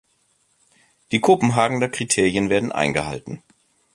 Die Kopenhagener Kriterien werden eingehalten.